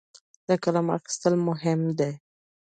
د قلم اخیستل مهم دي.